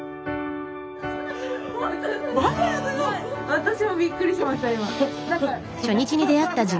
私もびっくりしました今。